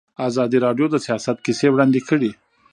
ازادي راډیو د سیاست کیسې وړاندې کړي.